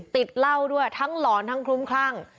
ติดเหล้าด้วยทั้งหลอนทั้งคลุ้มคลั่ง